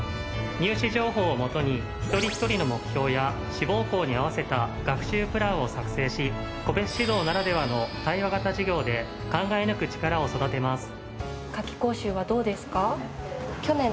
入試情報をもとに一人一人の目標や志望校に合わせた学習プランを作成し個別指導ならではの対話型授業で考え抜く力を育てます。